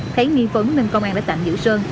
thấy nghi vấn nên công an đã tạm giữ sơn